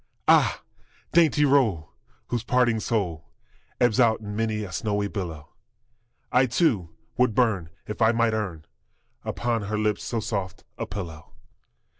Ah, dainty roll, whose parting soul Ebbs out in many a snowy billow, I, too, would burn if I might earn Upon her lips so soft a pillow!